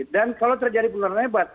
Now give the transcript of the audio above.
dan kalau terjadi pelurahan hebat